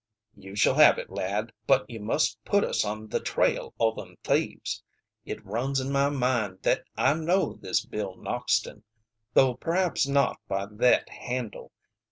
"You shall have it, lad. But you must put us on the trail o' them thieves. It runs in my mind thet I know this Bill Noxton, 'though perhaps not by thet handle.